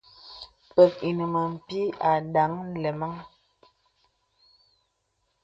Pə̀k ìmə̀ ne pìì àdaŋ nlɛmaŋ.